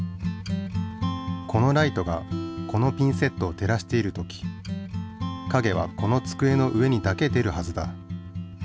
このライトがこのピンセットを照らしている時かげはこのつくえの上にだけ出るはずだ。